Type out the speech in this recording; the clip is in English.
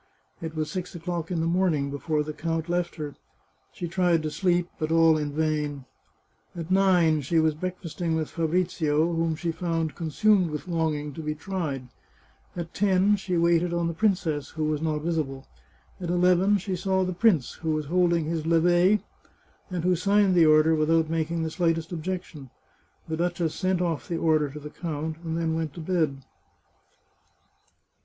It was six o'clock in the morning before the count left her. She tried to sleep, but all in vain. At nine she was breakfasting with Fabrizio, whom she found consumed with longing to be tried ; at ten she waited on the princess, who was not visible ; at eleven she saw the prince, who was hold ing his lever, and who signed the order without making the 462 The Chartreuse of Parma slightest objection. The duchess sent off the order to the count, and went to bed.